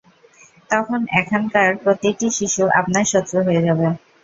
তখন এখানকার প্রতিটি শিশু আপনার শত্রু হয়ে যাবে।